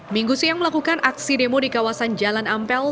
minggu siang melakukan aksi demo di kawasan jalan ampel